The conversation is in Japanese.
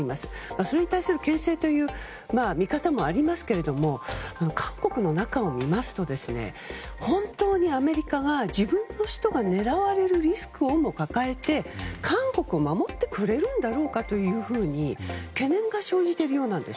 それに対する牽制という見方もありますが韓国の中を見ますと本当にアメリカが自分の首都が狙われるリスクを抱えて韓国を守ってくれるんだろうかと懸念が生じているようなんです。